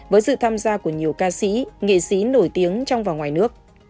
với sự tham gia của nhiều ca sĩ nghệ sĩ nổi tiếng trong và ngoài nước